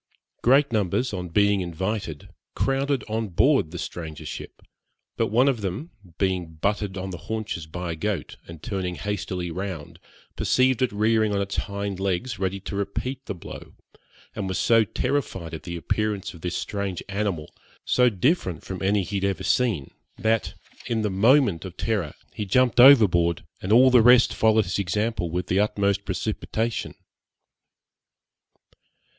Great numbers, on being invited, crowded on board the stranger ship, but one of them, being butted on the haunches by a goat, and turning hastily round, perceived it rearing on its hind legs, ready to repeat the blow, was so terrified at the appearance of this strange animal, so different from any he had ever seen, that, in the moment of terror, he jumped overboard, and all the rest followed his example with the utmost precipitation.